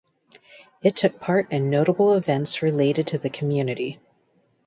It took part in notable events related to the community.